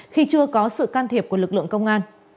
khi chưa có sự can thiệp của lực lượng công an